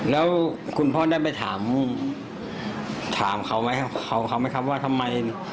แล้วคุณพ่อได้ไปถามเขาไหมครับว่าทำไม